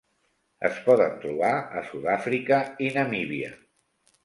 Es poden trobar a Sud-àfrica i Namíbia.